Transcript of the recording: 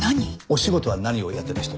お仕事は何をやってた人？